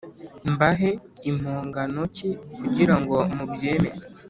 mbahe mpongano ki kugirango mubyemere